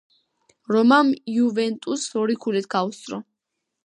რომამ იუვენტუსს ორი ქულით გაუსწრო.